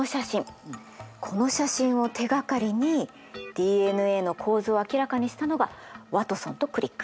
この写真を手がかりにＤＮＡの構造を明らかにしたのがワトソンとクリック。